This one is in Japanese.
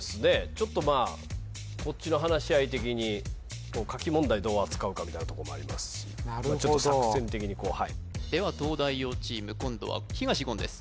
ちょっとまあこっちの話し合い的に書き問題どう扱うかみたいなとこもありますし作戦的にこうはいでは東大王チーム今度は東言です